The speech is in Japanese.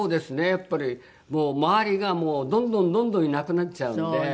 やっぱりもう周りがどんどんどんどんいなくなっちゃうんで。